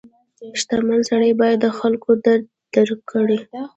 • شتمن سړی باید د خلکو درد درک کړي.